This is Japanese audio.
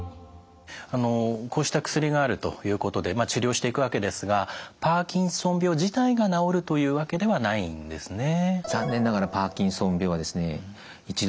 あのこうした薬があるということで治療していくわけですがパーキンソン病自体が治るというわけではないんですね？